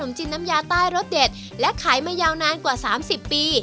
ขนมจีนน้ำยาใต้รสเด็ดและขายมายาวนานกว่าสามสิบปี